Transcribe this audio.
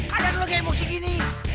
kadang kadang emosi gini